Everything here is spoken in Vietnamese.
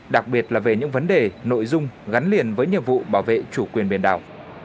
đặc biệt là về những vấn đề nội dung gắn liền với nhiệm vụ bảo vệ chủ quyền biển đảo